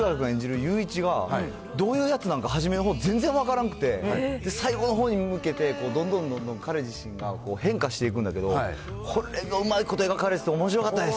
裕一が、どういうやつなんか、初めはもう全然分からんくて、最後のほうに向けて、どんどんどんどん彼自身が変化していくんやけど、これがうまいこと描かれてておもしろかったです。